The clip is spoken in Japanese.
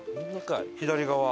左側。